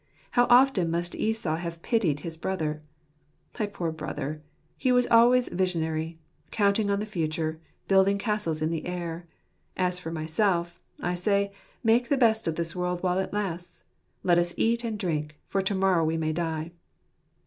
How often must Esau have pitied his brother 1 " My poor brother, he was always visionary, counting on the future, building castles in the air; as for myself, I say, make the best of this world while it lasts. Let us eat and drink, for to morrow we may die."